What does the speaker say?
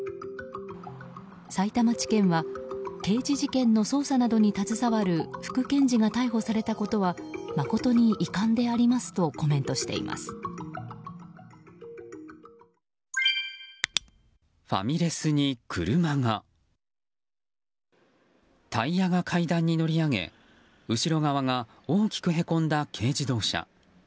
さいたま地検は刑事事件の捜査などに携わる副検事が逮捕されたことは誠に遺憾でありますとタイヤが階段に乗り上げ後ろ側が大きくへこんだ軽自動車。